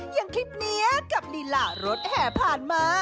อย่างคลิปนี้กับลีลารถแห่ผ่านมา